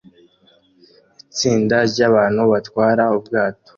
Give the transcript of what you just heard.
Itsinda ryabantu batwara ubwato